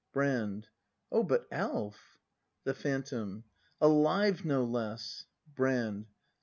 Brand. Oh, but Alf! The Phantom. Alive, no less. Brand.